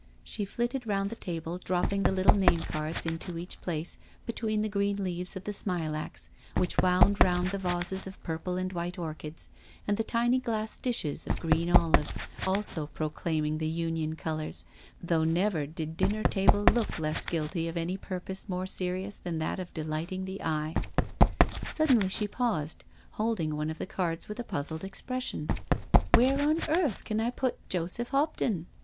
She flitted round the table^ dropping the little name cards into each place between the green leaves of the smilax, which wound round the vases of purple and white orchids, and the tiny glass dishes of green olives also proclaiming the Union colours, though never did dinner table look less guilty of any purpose more serious than that of delighting the eye. Suddenly she paused, holding one of the cards with a puzzled expression. " Where on earth can I put Joseph Hopton?